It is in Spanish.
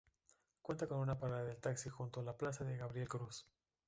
Cuenta con una parada de taxi junto a la plaza de Gabriel Cruz.